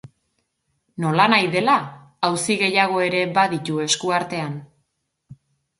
Nolanahi dela, auzi gehiago ere baditu esku artean.